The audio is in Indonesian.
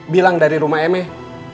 bilang dari rumah emek